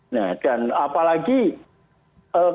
nah dan apalagi kalau kejadian kejadian seperti ini